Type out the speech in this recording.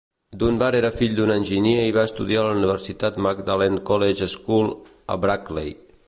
Dunbar era fill d'un enginyer i va estudiar a la universitat Magdalen College School, a Brackley.